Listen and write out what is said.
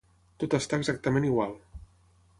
Tot està exactament igual.